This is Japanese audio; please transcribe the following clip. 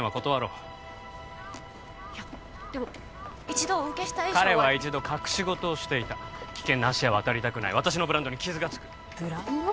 一度お受けした以上は彼は一度隠し事をしていた危険な橋は渡りたくない私のブランドに傷がつくブランド？